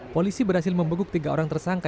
polisi berhasil membekuk tiga orang tersangka